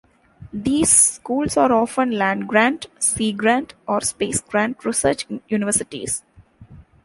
These schools are often land-grant, sea-grant, or space-grant research universities.